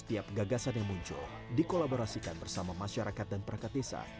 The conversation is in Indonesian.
setiap gagasan yang muncul dikolaborasikan bersama masyarakat dan prakatesa